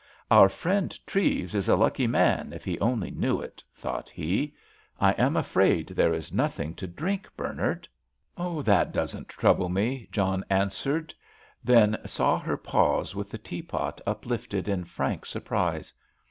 "Our friend Treves is a lucky man, if he only knew it," thought he. "I am afraid there is nothing to drink, Bernard." "That doesn't trouble me," John answered; then saw her pause with the teapot uplifted in frank surprise.